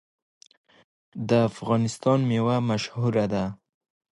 د افغانستان میوه مشهوره ده.